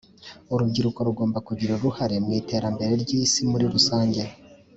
Urubyiruko rugomba kugira uruhare mu iterambere ry’isi muri rusange.